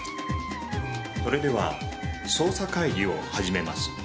それでは捜査会議を始めます。